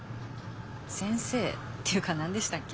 先生？っていうか何でしたっけ？